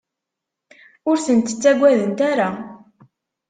Ur tent-ttagadent ara.